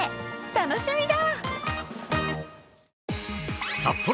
楽しみだ。